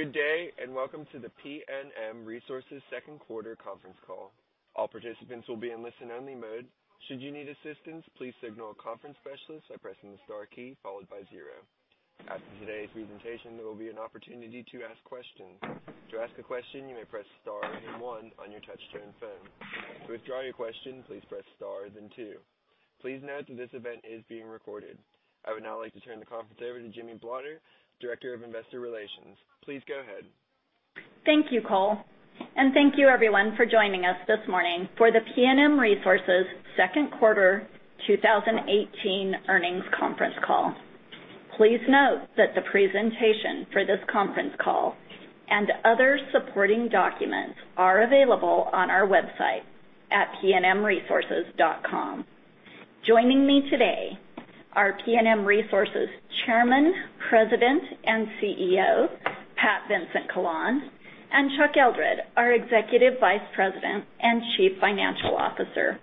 Good day, and welcome to the PNM Resources second quarter conference call. All participants will be in listen-only mode. Should you need assistance, please signal a conference specialist by pressing the star key followed by zero. After today's presentation, there will be an opportunity to ask questions. To ask a question, you may press star then one on your touch-tone phone. To withdraw your question, please press star then two. Please note that this event is being recorded. I would now like to turn the conference over to Jimmie Blotter, Director of Investor Relations. Please go ahead. Thank you, Cole. Thank you, everyone, for joining us this morning for the PNM Resources second quarter 2018 earnings conference call. Please note that the presentation for this conference call and other supporting documents are available on our website at pnmresources.com. Joining me today are PNM Resources Chairman, President, and CEO, Pat Vincent-Collawn, and Chuck Eldred, our Executive Vice President and Chief Financial Officer,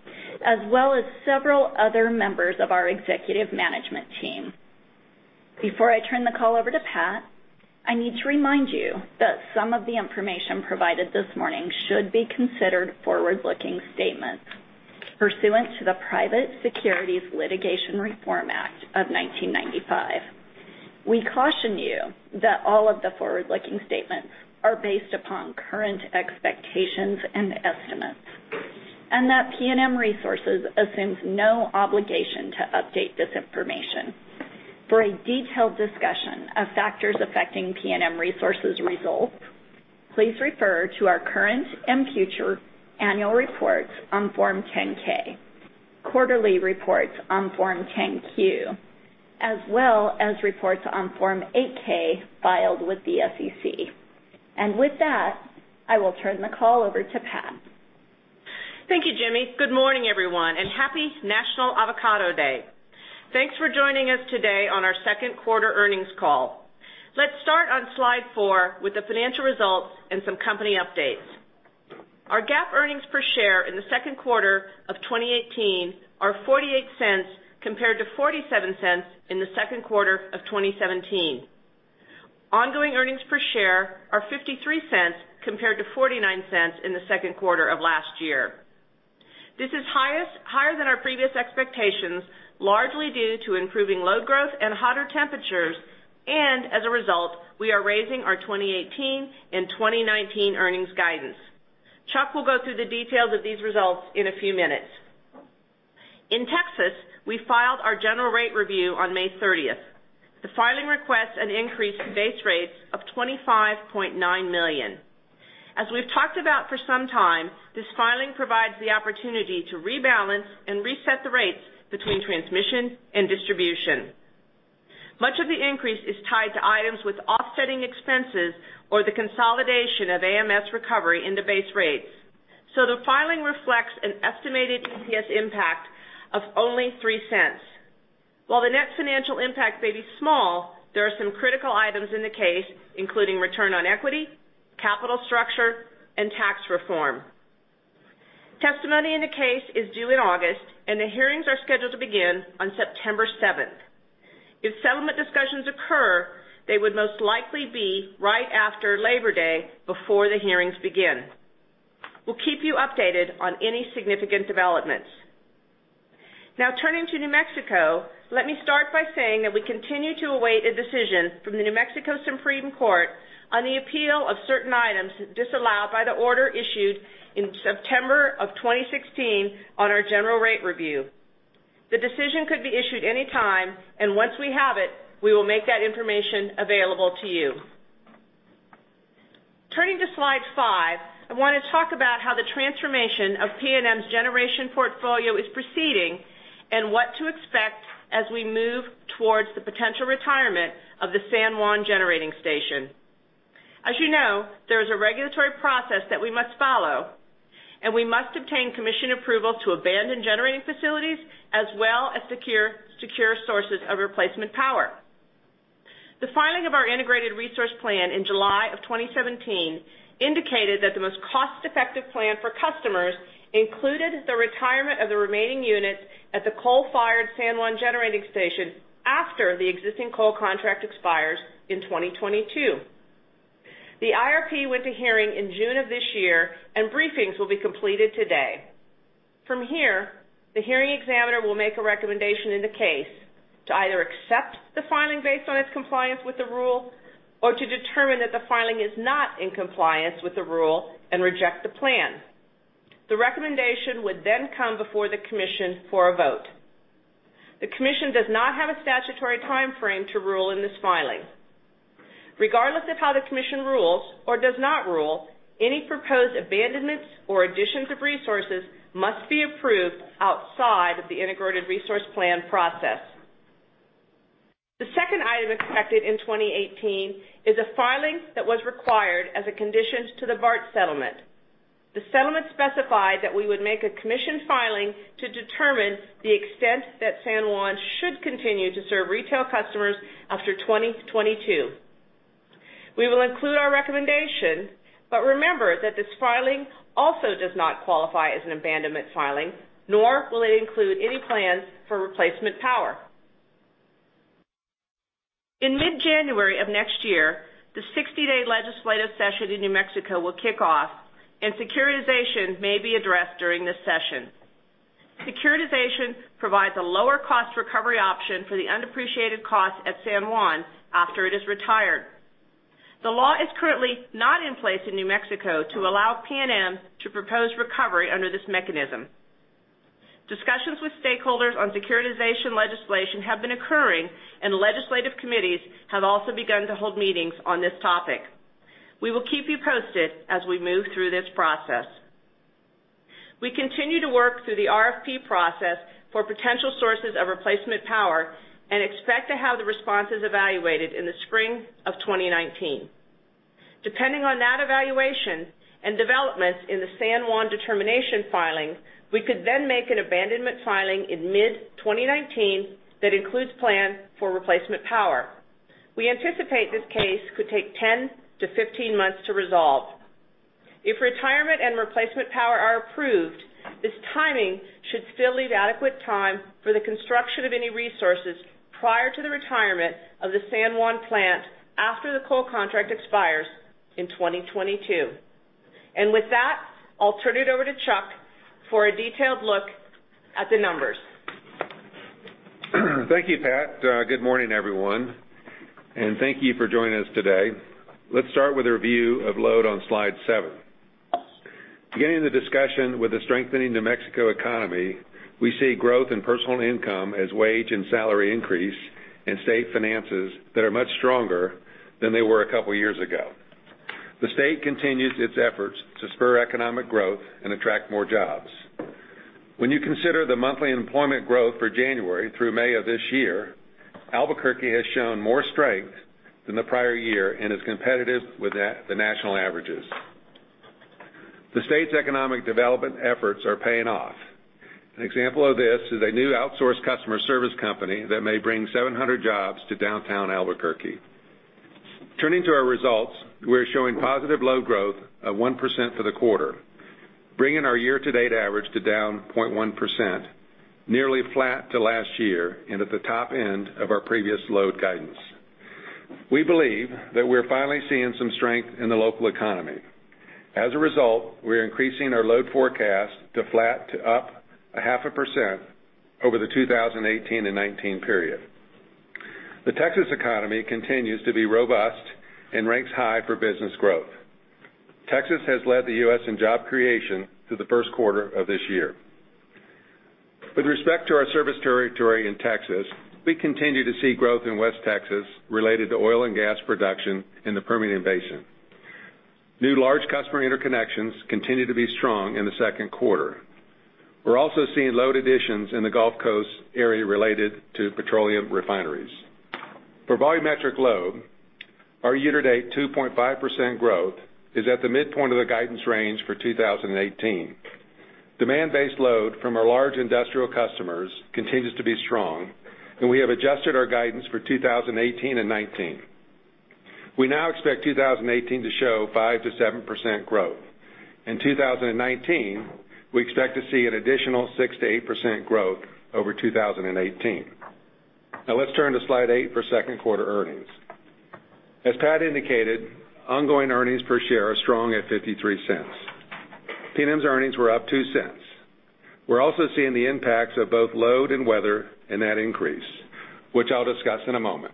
as well as several other members of our executive management team. Before I turn the call over to Pat, I need to remind you that some of the information provided this morning should be considered forward-looking statements pursuant to the Private Securities Litigation Reform Act of 1995. We caution you that all of the forward-looking statements are based upon current expectations and estimates, and that PNM Resources assumes no obligation to update this information. For a detailed discussion of factors affecting PNM Resources results, please refer to our current and future annual reports on Form 10-K, quarterly reports on Form 10-Q, as well as reports on Form 8-K filed with the SEC. With that, I will turn the call over to Pat. Thank you, Jimmie. Good morning, everyone, and happy National Avocado Day. Thanks for joining us today on our second quarter earnings call. Let's start on slide four with the financial results and some company updates. Our GAAP earnings per share in the second quarter of 2018 are $0.48 compared to $0.47 in the second quarter of 2017. Ongoing earnings per share are $0.53 compared to $0.49 in the second quarter of last year. This is higher than our previous expectations, largely due to improving load growth and hotter temperatures, and as a result, we are raising our 2018 and 2019 earnings guidance. Chuck will go through the details of these results in a few minutes. In Texas, we filed our general rate review on May 30th. The filing requests an increase to base rates of $25.9 million. As we've talked about for some time, this filing provides the opportunity to rebalance and reset the rates between transmission and distribution. Much of the increase is tied to items with offsetting expenses or the consolidation of AMS recovery into base rates. The filing reflects an estimated PCS impact of only $0.03. While the net financial impact may be small, there are some critical items in the case, including return on equity, capital structure, and tax reform. Testimony in the case is due in August, and the hearings are scheduled to begin on September 7th. If settlement discussions occur, they would most likely be right after Labor Day, before the hearings begin. We'll keep you updated on any significant developments. Now turning to New Mexico, let me start by saying that we continue to await a decision from the New Mexico Supreme Court on the appeal of certain items disallowed by the order issued in September 2016 on our general rate review. The decision could be issued any time, and once we have it, we will make that information available to you. Turning to slide five, I want to talk about how the transformation of PNM's generation portfolio is proceeding, and what to expect as we move towards the potential retirement of the San Juan Generating Station. As you know, there is a regulatory process that we must follow, and we must obtain commission approval to abandon generating facilities, as well as secure sources of replacement power. The filing of our Integrated Resource Plan in July 2017 indicated that the most cost-effective plan for customers included the retirement of the remaining units at the coal-fired San Juan Generating Station after the existing coal contract expires in 2022. The IRP went to hearing in June this year, and briefings will be completed today. From here, the hearing examiner will make a recommendation in the case to either accept the filing based on its compliance with the rule or to determine that the filing is not in compliance with the rule and reject the plan. The recommendation would come before the commission for a vote. The commission does not have a statutory timeframe to rule in this filing. Regardless of how the commission rules or does not rule, any proposed abandonments or additions of resources must be approved outside of the Integrated Resource Plan process. The second item expected in 2018 is a filing that was required as a condition to the BART settlement. The settlement specified that we would make a commission filing to determine the extent that San Juan should continue to serve retail customers after 2022. We will include our recommendation, but remember that this filing also does not qualify as an abandonment filing, nor will it include any plans for replacement power. In mid-January next year, the 60-day legislative session in New Mexico will kick off, and securitization may be addressed during this session. Securitization provides a lower cost recovery option for the undepreciated costs at San Juan after it is retired. The law is currently not in place in New Mexico to allow PNM to propose recovery under this mechanism. Discussions with stakeholders on securitization legislation have been occurring, legislative committees have also begun to hold meetings on this topic. We will keep you posted as we move through this process. We continue to work through the RFP process for potential sources of replacement power and expect to have the responses evaluated in the spring of 2019. Depending on that evaluation and developments in the San Juan determination filing, we could then make an abandonment filing in mid-2019 that includes plan for replacement power. We anticipate this case could take 10 to 15 months to resolve. If retirement and replacement power are approved, this timing should still leave adequate time for the construction of any resources prior to the retirement of the San Juan plant after the coal contract expires in 2022. With that, I'll turn it over to Chuck for a detailed look at the numbers. Thank you, Pat. Good morning, everyone, thank you for joining us today. Let's start with a review of load on Slide seven. Beginning the discussion with the strengthening New Mexico economy, we see growth in personal income as wage and salary increase in state finances that are much stronger than they were a couple of years ago. The state continues its efforts to spur economic growth and attract more jobs. When you consider the monthly employment growth for January through May of this year, Albuquerque has shown more strength than the prior year and is competitive with the national averages. The state's economic development efforts are paying off. An example of this is a new outsourced customer service company that may bring 700 jobs to downtown Albuquerque. Turning to our results, we're showing positive load growth of 1% for the quarter, bringing our year-to-date average to down 0.1%, nearly flat to last year and at the top end of our previous load guidance. We believe that we're finally seeing some strength in the local economy. As a result, we are increasing our load forecast to flat to up 0.5% over the 2018 to 2019 period. The Texas economy continues to be robust and ranks high for business growth. Texas has led the U.S. in job creation through the first quarter of this year. With respect to our service territory in Texas, we continue to see growth in West Texas related to oil and gas production in the Permian Basin. New large customer interconnections continue to be strong in the second quarter. We're also seeing load additions in the Gulf Coast area related to petroleum refineries. For volumetric load, our year-to-date 2.5% growth is at the midpoint of the guidance range for 2018. Demand-based load from our large industrial customers continues to be strong, we have adjusted our guidance for 2018 and 2019. We now expect 2018 to show 5%-7% growth. In 2019, we expect to see an additional 6%-8% growth over 2018. Let's turn to Slide eight for second quarter earnings. As Pat indicated, ongoing earnings per share are strong at $0.53. PNM's earnings were up $0.02. We're also seeing the impacts of both load and weather in that increase, which I'll discuss in a moment.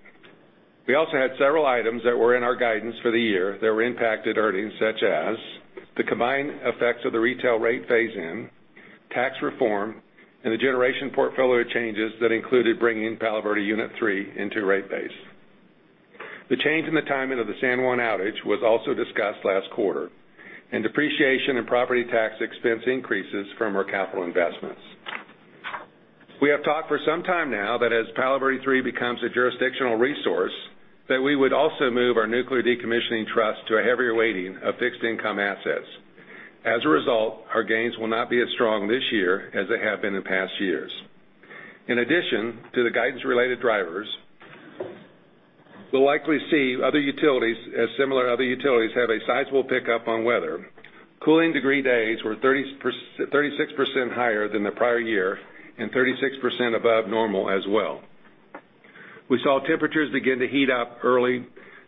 We also had several items that were in our guidance for the year that impacted earnings, such as the combined effects of the retail rate phase-in, tax reform, and the generation portfolio changes that included bringing Palo Verde Unit 3 into rate base. The change in the timing of the San Juan outage was also discussed last quarter, and depreciation and property tax expense increases from our capital investments. We have talked for some time now that as Palo Verde 3 becomes a jurisdictional resource, that we would also move our nuclear decommissioning trust to a heavier weighting of fixed income assets. As a result, our gains will not be as strong this year as they have been in past years. In addition to the guidance-related drivers, we'll likely see other utilities as similar other utilities have a sizable pickup on weather. Cooling degree days were 36% higher than the prior year and 36% above normal as well. We saw temperatures begin to heat up early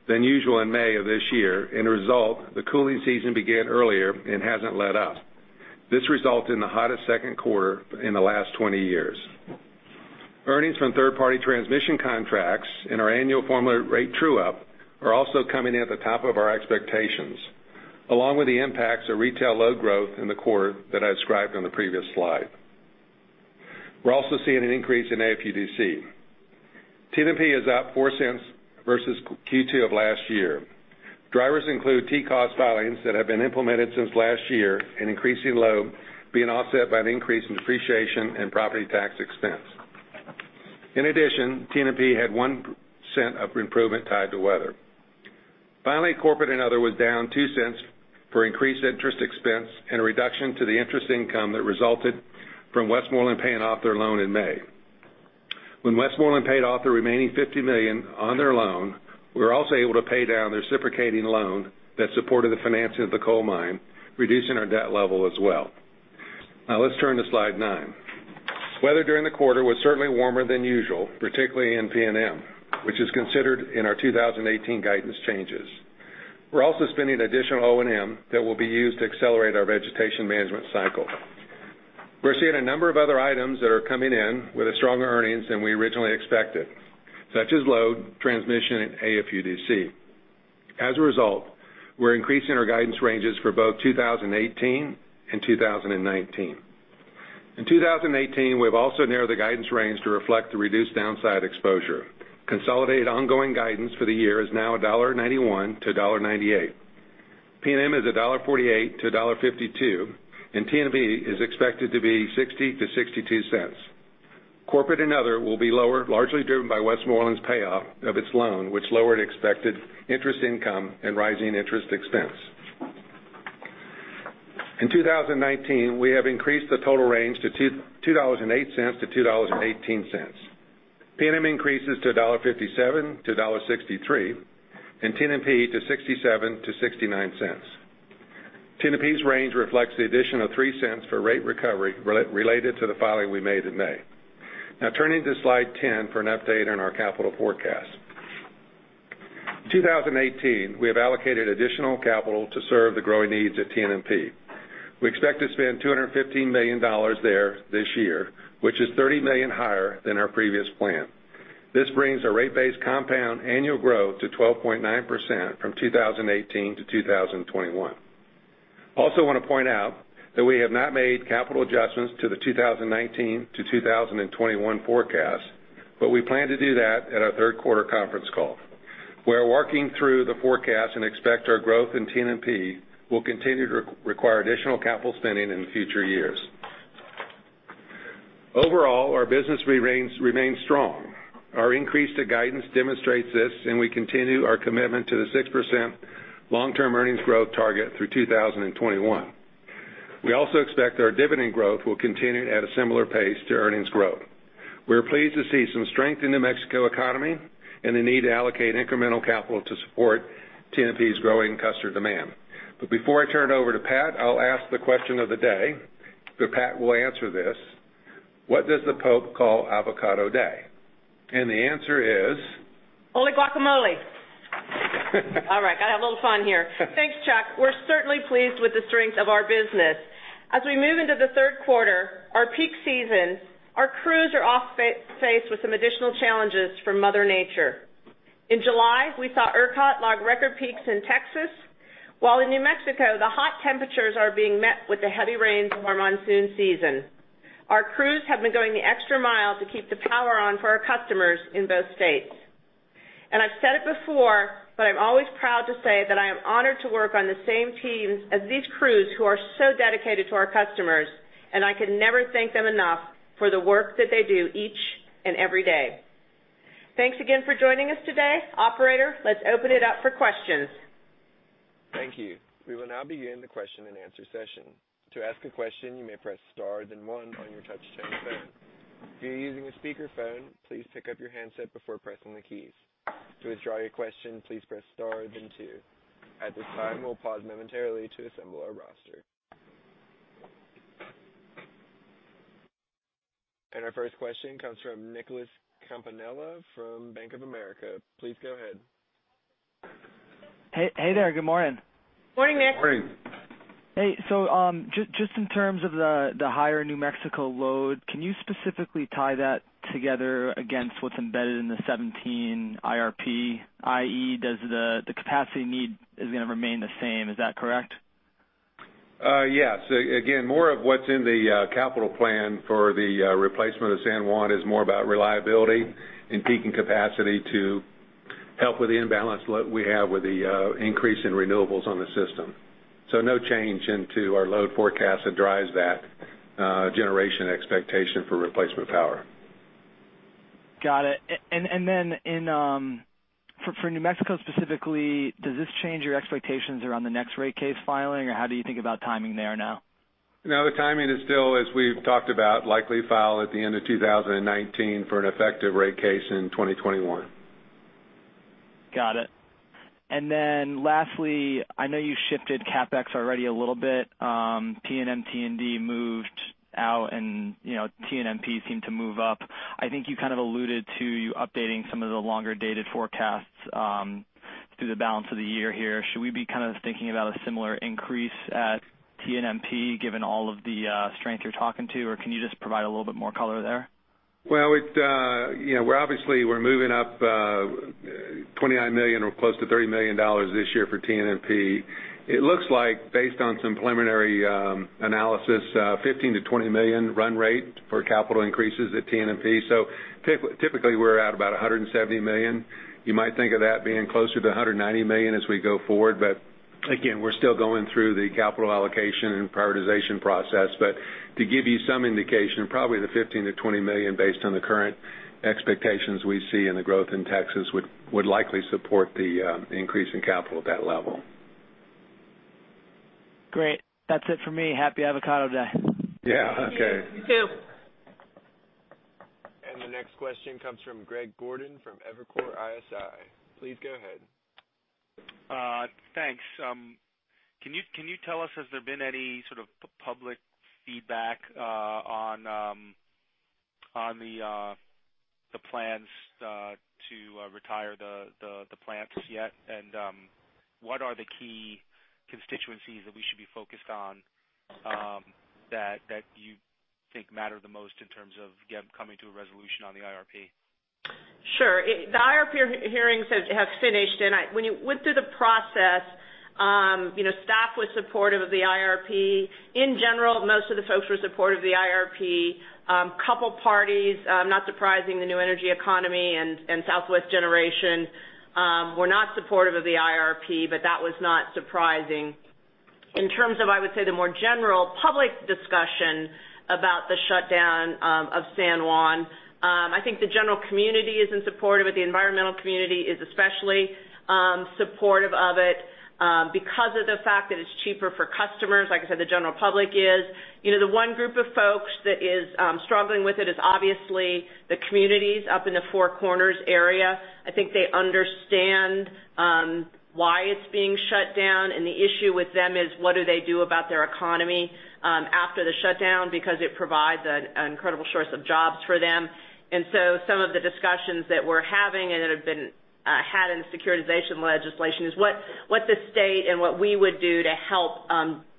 than usual in May of this year. In a result, the cooling season began earlier and hasn't let up. This resulted in the hottest second quarter in the last 20 years. Earnings from third-party transmission contracts and our annual formula rate true-up are also coming in at the top of our expectations, along with the impacts of retail load growth in the quarter that I described on the previous slide. We're also seeing an increase in AFUDC. TNMP is up $0.04 versus Q2 of last year. Drivers include TCOS filings that have been implemented since last year and increasing load being offset by an increase in depreciation and property tax expense. In addition, TNMP had $0.01 of improvement tied to weather. Finally, corporate and other was down $0.02 for increased interest expense and a reduction to the interest income that resulted from Westmoreland paying off their loan in May. When Westmoreland paid off the remaining $50 million on their loan, we were also able to pay down their reciprocating loan that supported the financing of the coal mine, reducing our debt level as well. Now let's turn to slide nine. Weather during the quarter was certainly warmer than usual, particularly in PNM, which is considered in our 2018 guidance changes. We're also spending additional O&M that will be used to accelerate our vegetation management cycle. We're seeing a number of other items that are coming in with a stronger earnings than we originally expected, such as load, transmission, and AFUDC. As a result, we're increasing our guidance ranges for both 2018 and 2019. In 2018, we've also narrowed the guidance range to reflect the reduced downside exposure. Consolidated ongoing guidance for the year is now $1.91 to $1.98. PNM is $1.48 to $1.52, and TNMP is expected to be $0.60-$0.62. Corporate and other will be lower, largely driven by Westmoreland's payoff of its loan, which lowered expected interest income and rising interest expense. In 2019, we have increased the total range to $2.08 to $2.18. PNM increases to $1.57 to $1.63, and TNMP to $0.67-$0.69. TNMP's range reflects the addition of $0.03 for rate recovery related to the filing we made in May. Now turning to slide 10 for an update on our capital forecast. In 2018, we have allocated additional capital to serve the growing needs at TNMP. We expect to spend $215 million there this year, which is $30 million higher than our previous plan. This brings our rate-based compound annual growth to 12.9% from 2018 to 2021. We also want to point out that we have not made capital adjustments to the 2019 to 2021 forecast. We plan to do that at our third quarter conference call. We are working through the forecast and expect our growth in TNMP will continue to require additional capital spending in future years. Overall, our business remains strong. Our increase to guidance demonstrates this. We continue our commitment to the 6% long-term earnings growth target through 2021. We also expect our dividend growth will continue at a similar pace to earnings growth. We are pleased to see some strength in the New Mexico economy and the need to allocate incremental capital to support TNMP's growing customer demand. Before I turn it over to Pat, I'll ask the question of the day. Pat will answer this. What does the Pope call Avocado Day? The answer is- Holy guacamole. All right, got to have a little fun here. Thanks, Chuck. We're certainly pleased with the strength of our business. As we move into the third quarter, our peak season, our crews are faced with some additional challenges from Mother Nature. In July, we saw ERCOT log record peaks in Texas, while in New Mexico, the hot temperatures are being met with the heavy rains of our monsoon season. Our crews have been going the extra mile to keep the power on for our customers in both states. I've said it before, I'm always proud to say that I am honored to work on the same teams as these crews who are so dedicated to our customers. I can never thank them enough for the work that they do each and every day. Thanks again for joining us today. Operator, let's open it up for questions. Thank you. We will now begin the question and answer session. To ask a question, you may press star then one on your touch-tone phone. If you're using a speakerphone, please pick up your handset before pressing the keys. To withdraw your question, please press star then two. At this time, we will pause momentarily to assemble our roster. Our first question comes from Nicholas Campanella from Bank of America. Please go ahead. Hey there. Good morning. Morning, Nick. Morning. Hey, just in terms of the higher New Mexico load, can you specifically tie that together against what's embedded in the 2017 IRP, i.e., does the capacity need is going to remain the same? Is that correct? Yes. Again, more of what's in the capital plan for the replacement of San Juan is more about reliability and peaking capacity to help with the imbalance load we have with the increase in renewables on the system. No change into our load forecast that drives that generation expectation for replacement power. Got it. For New Mexico specifically, does this change your expectations around the next rate case filing, or how do you think about timing there now? No, the timing is still, as we've talked about, likely file at the end of 2019 for an effective rate case in 2021. Got it. Lastly, I know you shifted CapEx already a little bit. PNM T&D moved out and TNMP seemed to move up. I think you kind of alluded to you updating some of the longer-dated forecasts through the balance of the year here. Should we be kind of thinking about a similar increase at TNMP given all of the strength you're talking to, or can you just provide a little bit more color there? Obviously, we're moving up $29 million or close to $30 million this year for TNMP. It looks like, based on some preliminary analysis, $15 million-$20 million run rate for capital increases at TNMP. Typically, we're at about $170 million. You might think of that being closer to $190 million as we go forward, but again, we're still going through the capital allocation and prioritization process. To give you some indication, probably the $15 million-$20 million based on the current expectations we see in the growth in Texas would likely support the increase in capital at that level. Great. That's it for me. Happy Avocado Day. Yeah, okay. You too. Question comes from Greg Gordon from Evercore ISI. Please go ahead. Thanks. Can you tell us, has there been any sort of public feedback on the plans to retire the plants yet? What are the key constituencies that we should be focused on that you think matter the most in terms of coming to a resolution on the IRP? Sure. The IRP hearings have finished, when you went through the process, staff was supportive of the IRP. In general, most of the folks were supportive of the IRP. A couple of parties, not surprising, the New Energy Economy and Southwest Generation, were not supportive of the IRP, that was not surprising. In terms of, I would say, the more general public discussion about the shutdown of San Juan, I think the general community isn't supportive, the environmental community is especially supportive of it. Because of the fact that it's cheaper for customers, like I said, the general public is. The one group of folks that is struggling with it is obviously the communities up in the Four Corners area. I think they understand why it's being shut down, the issue with them is what do they do about their economy after the shutdown because it provides an incredible source of jobs for them. Some of the discussions that we're having and that have been had in the securitization legislation is what the state and what we would do to help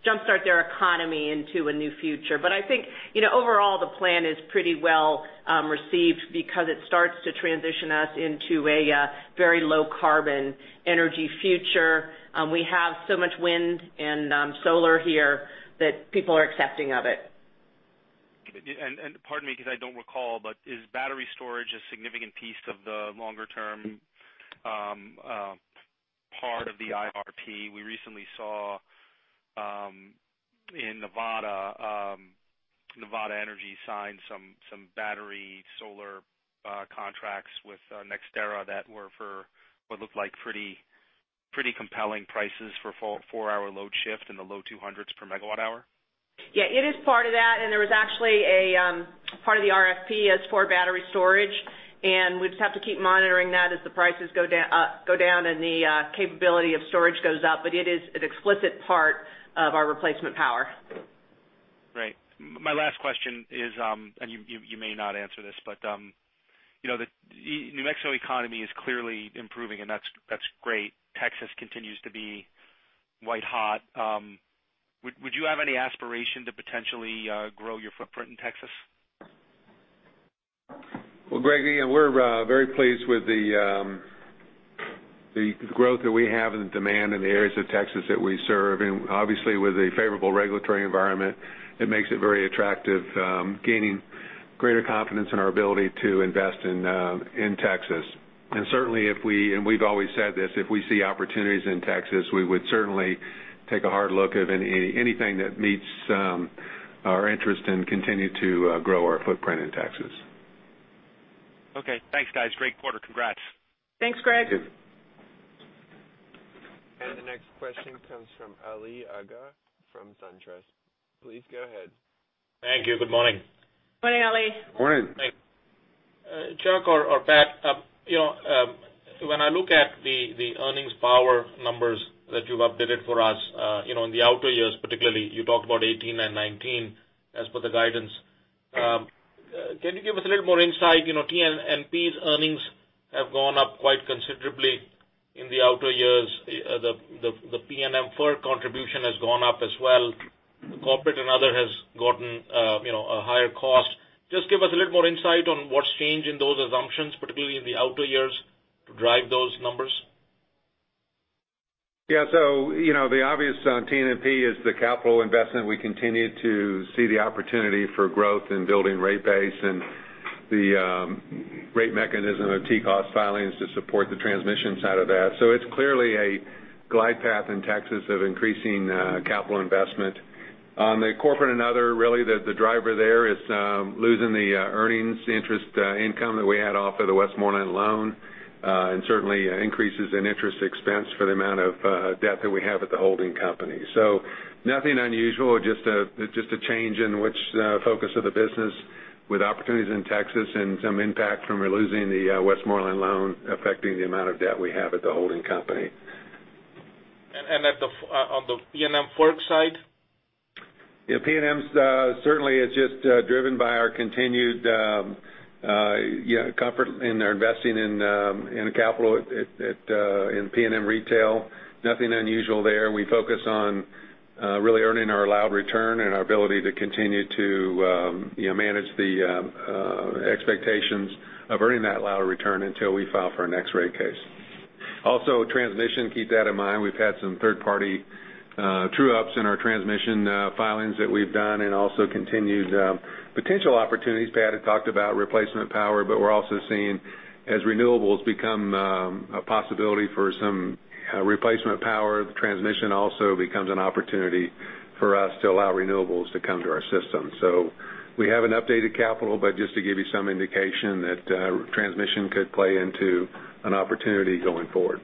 jumpstart their economy into a new future. I think overall, the plan is pretty well-received because it starts to transition us into a very low-carbon energy future. We have so much wind and solar here that people are accepting of it. Pardon me because I don't recall, but is battery storage a significant piece of the longer-term part of the IRP? We recently saw in Nevada, NV Energy signed some battery solar contracts with NextEra that were for what looked like pretty compelling prices for four-hour load shift in the low $200s per megawatt hour. Yeah, it is part of that. There was actually a part of the RFP as for battery storage. We just have to keep monitoring that as the prices go down and the capability of storage goes up. It is an explicit part of our replacement power. Right. My last question is, you may not answer this, the New Mexico economy is clearly improving, and that's great. Texas continues to be quite hot. Would you have any aspiration to potentially grow your footprint in Texas? Well, Greg, we're very pleased with the growth that we have and the demand in the areas of Texas that we serve. Obviously with a favorable regulatory environment, it makes it very attractive, gaining greater confidence in our ability to invest in Texas. Certainly if we, and we've always said this, if we see opportunities in Texas, we would certainly take a hard look at anything that meets our interest and continue to grow our footprint in Texas. Okay, thanks, guys. Great quarter. Congrats. Thanks, Greg. Thank you. The next question comes from Ali Agha from SunTrust. Please go ahead. Thank you. Good morning. Morning, Ali. Morning. Thanks. Chuck or Pat, when I look at the earnings power numbers that you've updated for us in the outer years, particularly you talked about 2018 and 2019 as for the guidance. Can you give us a little more insight? TNMP's earnings have gone up quite considerably in the outer years. The PNM FERC contribution has gone up as well. Corporate and other has gotten a higher cost. Just give us a little more insight on what's changed in those assumptions, particularly in the outer years, to drive those numbers. Yeah. The obvious on TNMP is the capital investment. We continue to see the opportunity for growth in building rate base and the rate mechanism of TCOS filings to support the transmission side of that. It's clearly a glide path in Texas of increasing capital investment. On the corporate and other, really the driver there is losing the earnings interest income that we had off of the Westmoreland loan, and certainly increases in interest expense for the amount of debt that we have at the holding company. Nothing unusual, just a change in which focus of the business with opportunities in Texas and some impact from losing the Westmoreland loan affecting the amount of debt we have at the holding company. On the PNM FERC side? PNM certainly is just driven by our continued comfort in our investing in the capital in PNM Retail. Nothing unusual there. We focus on really earning our allowed return and our ability to continue to manage the expectations of earning that allowed return until we file for our next rate case. Transmission, keep that in mind. We've had some third-party true-ups in our transmission filings that we've done and also continued potential opportunities. Pat had talked about replacement power, but we're also seeing as renewables become a possibility for some replacement power, transmission also becomes an opportunity for us to allow renewables to come to our system. We haven't updated capital, but just to give you some indication that transmission could play into an opportunity going forward.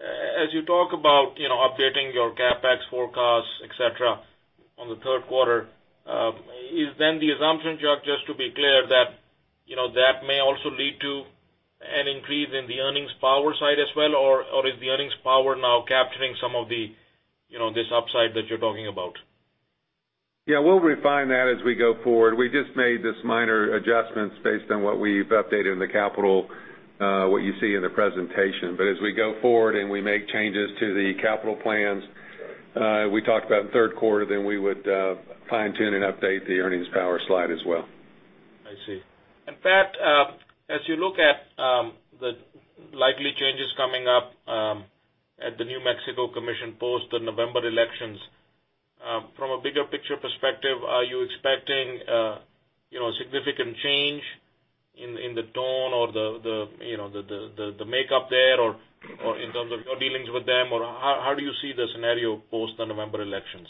As you talk about updating your CapEx forecast, et cetera, on the third quarter, is the assumption, Chuck, just to be clear that may also lead to an increase in the earnings power side as well? Or is the earnings power now capturing some of this upside that you're talking about? We'll refine that as we go forward. We just made these minor adjustments based on what we've updated in the capital, what you see in the presentation. As we go forward and we make changes to the capital plans we talked about in the third quarter, we would fine-tune and update the earnings power slide as well. Pat, as you look at the likely changes coming up at the New Mexico Commission post the November elections, from a bigger picture perspective, are you expecting significant change in the tone or the makeup there, or in terms of your dealings with them? Or how do you see the scenario post the November elections?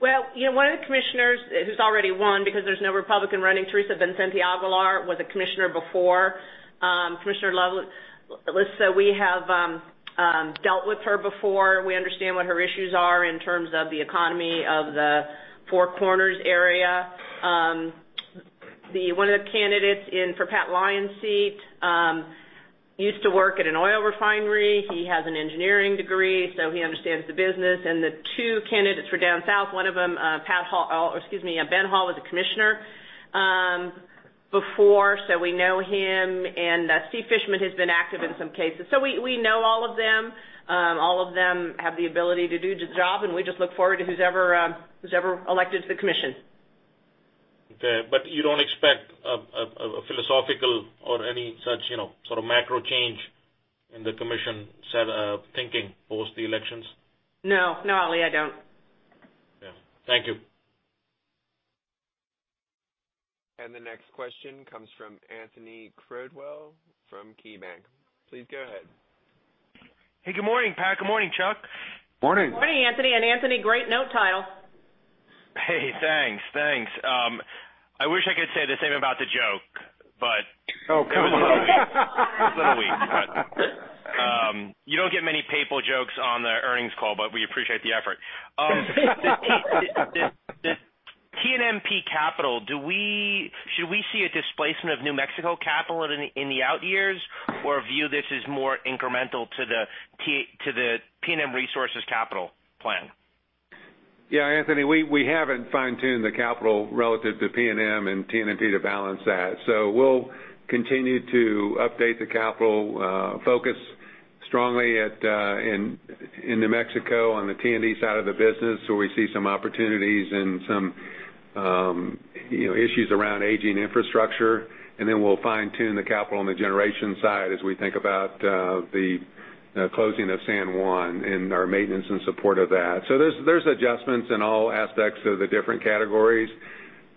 One of the commissioners who's already won because there's no Republican running, Theresa Becenti-Aguilar, was a commissioner before, Commissioner Lisa. We have dealt with her before. We understand what her issues are in terms of the economy of the Four Corners area. One of the candidates in for Pat Lyons' seat used to work at an oil refinery. He has an engineering degree, so he understands the business. The two candidates for down south, one of them, Ben Hall, was a commissioner before, so we know him. Steve Fischmann has been active in some cases. We know all of them. All of them have the ability to do the job, and we just look forward to who's ever elected to the commission. Okay. You don't expect a philosophical or any such sort of macro change in the commission set of thinking post the elections? No, Ali, I don't. Yeah. Thank you. The next question comes from Anthony Crowdell from KeyBanc. Please go ahead. Hey, good morning, Pat. Good morning, Chuck. Morning. Morning, Anthony. Anthony, great note title. Hey, thanks. I wish I could say the same about the joke. Oh, come on. It was a little weak, you don't get many papal jokes on the earnings call, but we appreciate the effort. The TNMP capital, should we see a displacement of New Mexico capital in the out years, or view this as more incremental to the PNM Resources capital plan? Yeah, Anthony, we haven't fine-tuned the capital relative to PNM and TNMP to balance that. We'll continue to update the capital, focus strongly in New Mexico on the T&D side of the business, where we see some opportunities and some issues around aging infrastructure. Then we'll fine-tune the capital on the generation side as we think about the closing of San Juan and our maintenance in support of that. There's adjustments in all aspects of the different categories.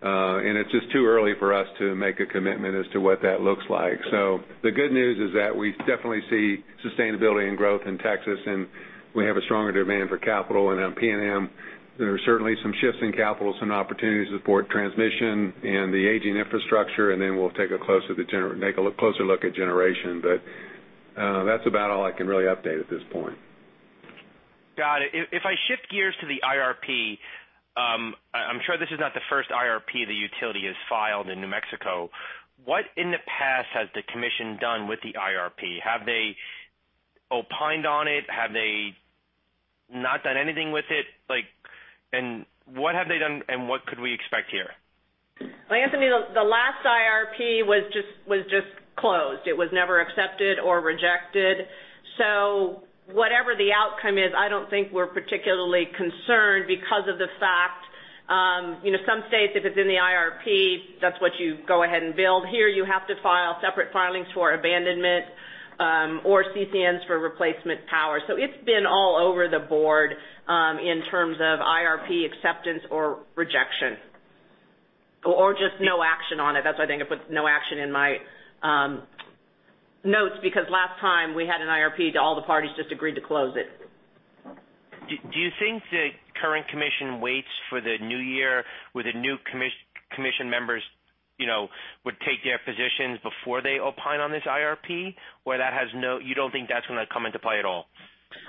It's just too early for us to make a commitment as to what that looks like. The good news is that we definitely see sustainability and growth in Texas, and we have a stronger demand for capital. On PNM, there are certainly some shifts in capital, some opportunities to support transmission and the aging infrastructure, and then we'll take a closer look at generation. That's about all I can really update at this point. Got it. I shift gears to the IRP, I'm sure this is not the first IRP the utility has filed in New Mexico. What in the past has the Commission done with the IRP? Have they opined on it? Have they not done anything with it? What have they done, what could we expect here? Anthony, the last IRP was just closed. It was never accepted or rejected. Whatever the outcome is, I don't think we're particularly concerned because of the fact some states, if it's in the IRP, that's what you go ahead and build. Here, you have to file separate filings for abandonment or CCNs for replacement power. It's been all over the board in terms of IRP acceptance or rejection. Or just no action on it. That's why I think I put no action in my notes, because last time we had an IRP, all the parties just agreed to close it. Do you think the current Commission waits for the new year, where the new Commission members would take their positions before they opine on this IRP? You don't think that's going to come into play at all?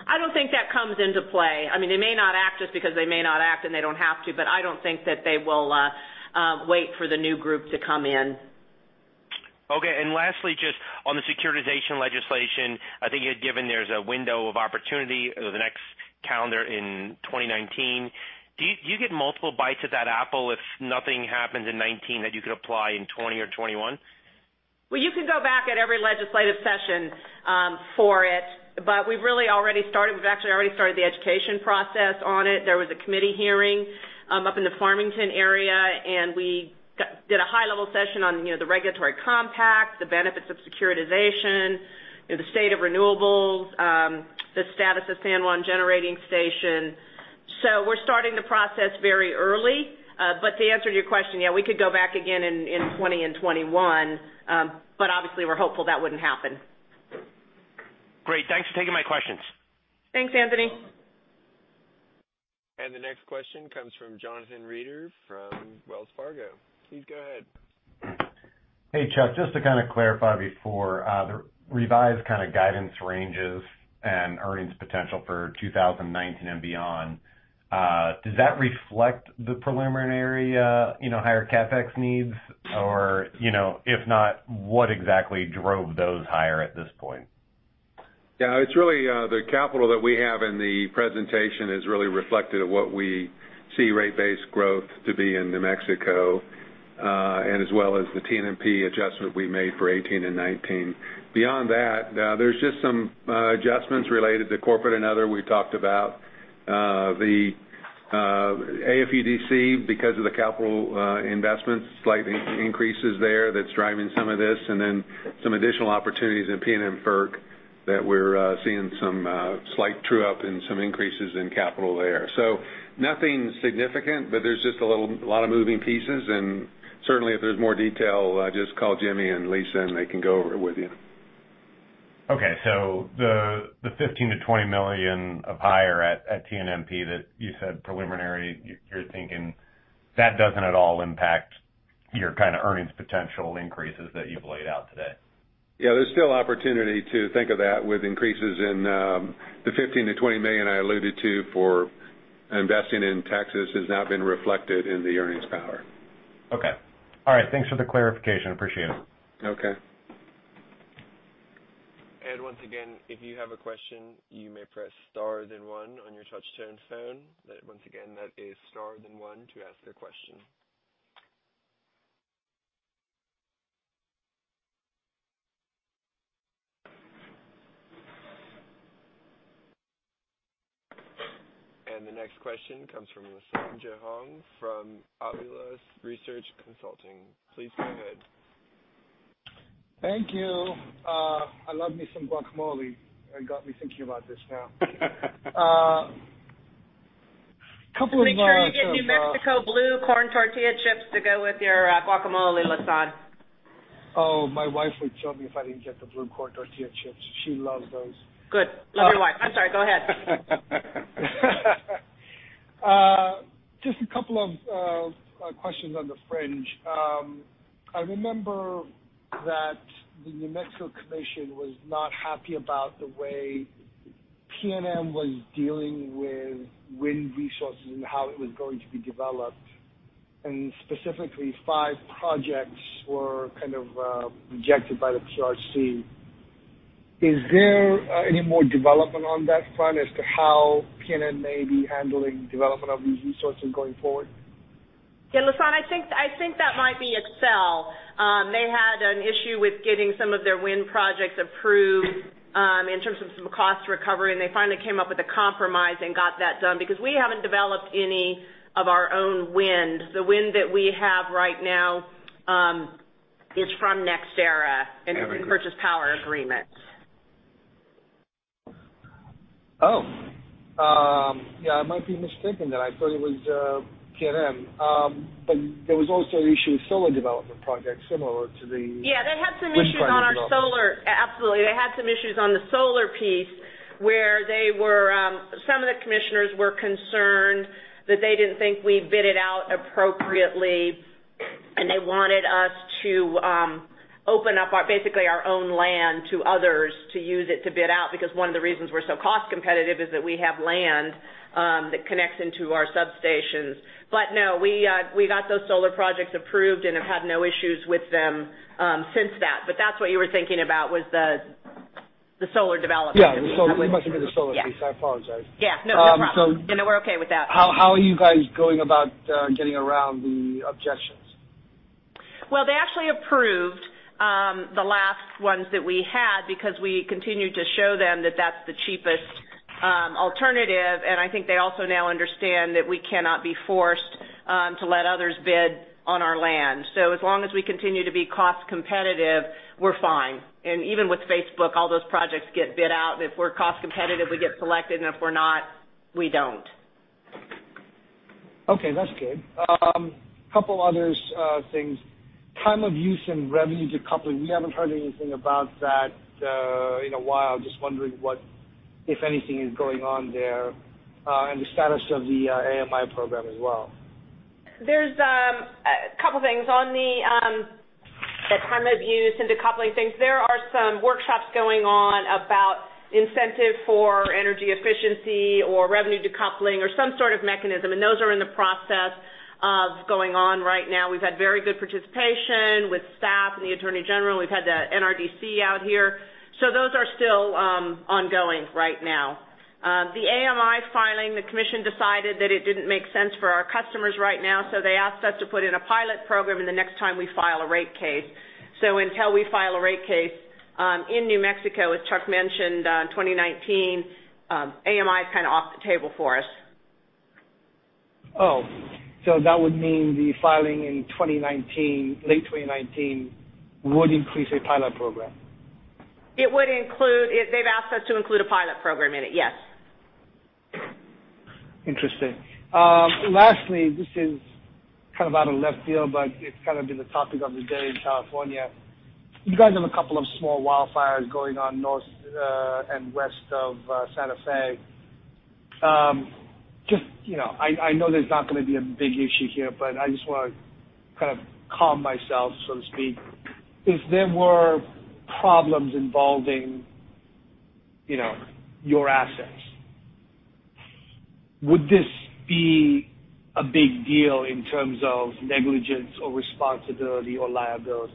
I don't think that comes into play. They may not act just because they may not act and they don't have to, I don't think that they will wait for the new group to come in. Okay. Lastly, just on the securitization legislation, I think you had given there's a window of opportunity over the next calendar in 2019. Do you get multiple bites at that apple if nothing happens in 2019 that you could apply in 2020 or 2021? Well, you can go back at every legislative session for it. We've actually already started the education process on it. There was a committee hearing up in the Farmington area, and we did a high-level session on the regulatory compact, the benefits of securitization, the state of renewables, the status of San Juan Generating Station. We're starting the process very early. To answer your question, yeah, we could go back again in 2020 and 2021. Obviously, we're hopeful that wouldn't happen. Great. Thanks for taking my questions. Thanks, Anthony. The next question comes from Jonathan Reeder from Wells Fargo. Please go ahead. Hey, Chuck, just to kind of clarify before, the revised kind of guidance ranges and earnings potential for 2019 and beyond, does that reflect the preliminary higher CapEx needs? Or, if not, what exactly drove those higher at this point? The capital that we have in the presentation is really reflective of what we see rate base growth to be in New Mexico, as well as the TNMP adjustment we made for 2018 and 2019. Beyond that, there's just some adjustments related to corporate and other. We talked about the AFUDC, because of the capital investments, slight increases there that's driving some of this, then some additional opportunities in PNM FERC that we're seeing some slight true-up and some increases in capital there. Nothing significant, but there's just a lot of moving pieces, and certainly if there's more detail, just call Jimmie and Lisa, and they can go over it with you. Okay. The $15 million-$20 million of higher at TNMP that you said preliminary, you're thinking that doesn't at all impact your kind of earnings potential increases that you've laid out today? There's still opportunity to think of that with increases in the $15 million-$20 million I alluded to for investing in Texas has now been reflected in the earnings power. Okay. All right. Thanks for the clarification. Appreciate it. Okay. Once again, if you have a question, you may press star then one on your touch-tone phone. Once again, that is star then one to ask a question. The next question comes from Lasan Johong from Auvila Research Consulting. Please go ahead. Thank you. I love me some guacamole. It got me thinking about this now. Make sure you get New Mexico blue corn tortilla chips to go with your guacamole, Lasan. Oh, my wife would kill me if I didn't get the blue corn tortilla chips. She loves those. Good. Love your wife. I'm sorry, go ahead. Just a couple of questions on the fringe. I remember that the New Mexico Commission was not happy about the way PNM was dealing with wind resources and how it was going to be developed, and specifically, five projects were kind of rejected by the PRC. Is there any more development on that front as to how PNM may be handling development of these resources going forward? Yeah, Lasan, I think that might be Xcel. They had an issue with getting some of their wind projects approved in terms of some cost recovery, and they finally came up with a compromise and got that done because we haven't developed any of our own wind. The wind that we have right now is from NextEra and purchased power agreements. Yeah, I might be mistaken then. I thought it was PNM. There was also an issue with solar development projects. Yeah, they had some issues on our solar. Absolutely. They had some issues on the solar piece where some of the commissioners were concerned that they didn't think we bid it out appropriately, and they wanted us to open up basically our own land to others to use it to bid out because one of the reasons we're so cost competitive is that we have land that connects into our substations. No, we got those solar projects approved and have had no issues with them since that. That's what you were thinking about was the solar development. Yeah, it must have been the solar piece. I apologize. Yeah. No, no problem. We're okay with that. How are you guys going about getting around the objections? Well, they actually approved the last ones that we had because we continued to show them that that's the cheapest alternative, and I think they also now understand that we cannot be forced to let others bid on our land. As long as we continue to be cost competitive, we're fine. Even with Facebook, all those projects get bid out, and if we're cost competitive, we get selected, and if we're not, we don't. Okay, that's good. Two other things. Time of use and revenue decoupling. We haven't heard anything about that in a while. Just wondering what, if anything, is going on there. The status of the AMI program as well. There's two things. On the time of use and decoupling things, there are some workshops going on about incentive for energy efficiency or revenue decoupling or some sort of mechanism, and those are in the process of going on right now. We've had very good participation with staff and the attorney general. We've had the NRDC out here. Those are still ongoing right now. The AMI filing, the commission decided that it didn't make sense for our customers right now, so they asked us to put in a pilot program in the next time we file a rate case. Until we file a rate case in New Mexico, as Chuck mentioned, 2019, AMI is kind of off the table for us. Oh. That would mean the filing in late 2019 would include a pilot program? They've asked us to include a pilot program in it, yes. Interesting. Lastly, this is kind of out of left field, but it's kind of been the topic of the day in California. You guys have a couple of small wildfires going on north and west of Santa Fe. I know that it's not going to be a big issue here, but I just want to kind of calm myself, so to speak. If there were problems involving your assets, would this be a big deal in terms of negligence or responsibility or liability?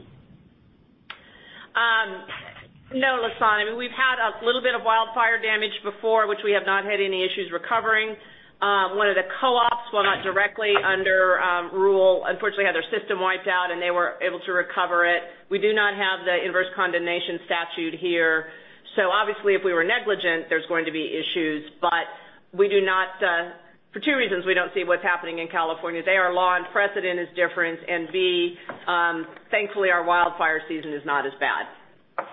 No, Lasan. I mean, we've had a little bit of wildfire damage before, which we have not had any issues recovering. One of the co-ops, while not directly under rule, unfortunately, had their system wiped out, and they were able to recover it. We do not have the inverse condemnation statute here. Obviously, if we were negligent, there's going to be issues. For two reasons, we don't see what's happening in California. A, our law and precedent is different, and B, thankfully, our wildfire season is not as bad.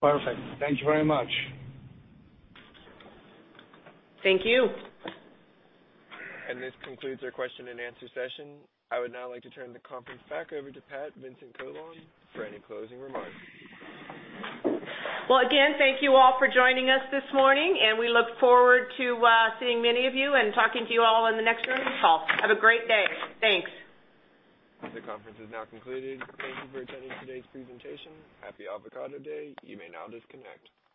Perfect. Thank you very much. Thank you. This concludes our question and answer session. I would now like to turn the conference back over to Pat Vincent-Collawn for any closing remarks. Well, again, thank you all for joining us this morning, and we look forward to seeing many of you and talking to you all in the next earnings call. Have a great day. Thanks. The conference is now concluded. Thank you for attending today's presentation. Happy Avocado Day. You may now disconnect.